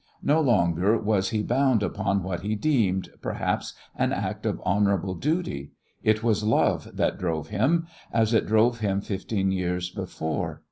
No longer was he bound upon what he deemed, perhaps, an act of honourable duty; it was love that drove him, as it drove him fifteen years before.